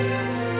oke sampai jumpa